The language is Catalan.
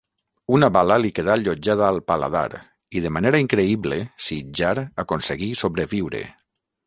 Una bala li quedà allotjada al paladar i de manera increïble Sitjar aconseguí sobreviure.